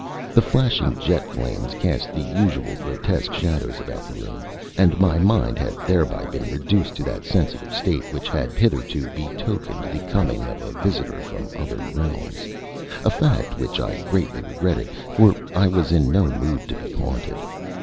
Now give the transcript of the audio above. The flashing jet flames cast the usual grotesque shadows about the room, and my mind had thereby been reduced to that sensitive state which had hitherto betokened the coming of a visitor from other realms a fact which I greatly regretted, for I was in no mood to be haunted.